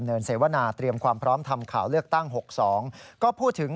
กรณีนี้ทางด้านของประธานกรกฎาได้ออกมาพูดแล้ว